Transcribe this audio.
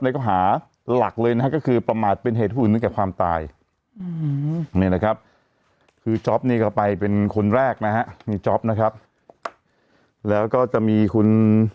แล้วก็หาหลักเลยนะฮะก็คือประมาทเป็นเหตุผลนึกจากความตาย